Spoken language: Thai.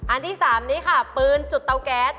อันที่๓นี้ค่ะปืนจุดเตาแก๊ส